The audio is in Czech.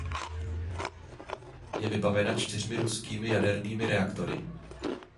Je vybavena čtyřmi ruskými jadernými reaktory.